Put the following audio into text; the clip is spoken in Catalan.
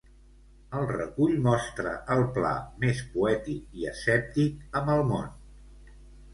El recull mostra el Pla més poètic i escèptic amb el món.